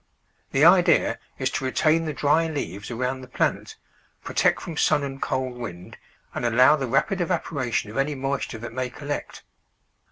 The idea is to retain the dry leaves around the plant, protect from sun and cold wind, and allow the rapid evaporation of any moisture that may collect.